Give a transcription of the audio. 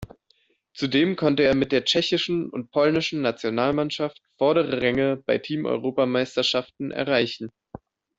Zudem konnte er mit der tschechischen und polnischen Nationalmannschaft vordere Ränge bei Team-Europameisterschaften erreichen.